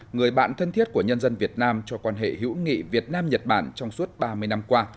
người bạn thân thiết của nhân dân việt nam cho quan hệ hữu nghị việt nam nhật bản trong suốt ba mươi năm qua